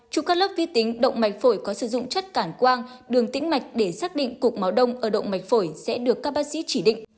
chụp các lớp vi tính động mạch phổi có sử dụng chất cản quang đường tĩnh mạch để xác định cục máu đông ở động mạch phổi sẽ được các bác sĩ chỉ định